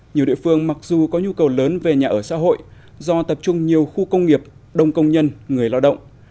nhiều địa phương mặc dù có nhu cầu lớn về nhà ở xã hội do tập trung nhiều khu công nghiệp đông công nhân người lao động